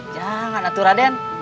jangan atu raden